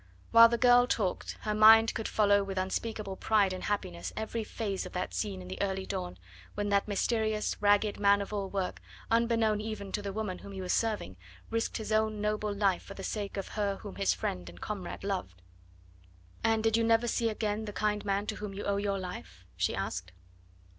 While the girl talked, her mind could follow with unspeakable pride and happiness every phase of that scene in the early dawn, when that mysterious, ragged man of all work, unbeknown even to the woman whom he was saving, risked his own noble life for the sake of her whom his friend and comrade loved. "And did you never see again the kind man to whom you owe your life?" she asked.